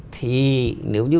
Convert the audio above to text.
thì nếu như